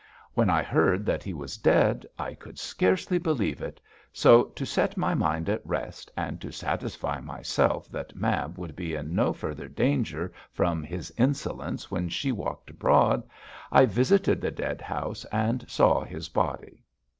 When I heard that he was dead I could scarcely believe it, so, to set my mind at rest, and to satisfy myself that Mab would be in no further danger from his insolence when she walked abroad, I visited the dead house and saw his body.